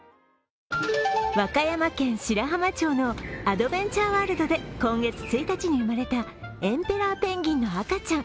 和歌山県白浜町のアドベンチャーワールドで今月１日に生まれたエンペラーペンギンの赤ちゃん。